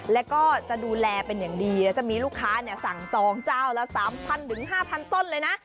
แล้วก็จะดูแลเป็นอย่างดีและจะมีลูกค้าเนี่ยสั่งจองจ้าวละสามพันหรือห้าพันต้นเลยนะ